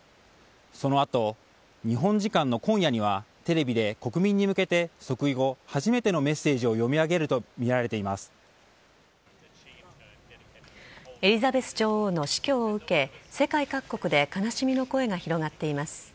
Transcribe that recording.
その後、日本時間の今夜にはテレビで国民に向けて即位後初めてのメッセージをエリザベス女王の死去を受け世界各国で悲しみの声が広がっています。